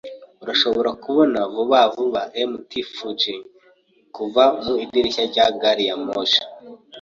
Urashobora kubona vuba vuba Mt. Fuji kuva mu idirishya rya gari ya moshi.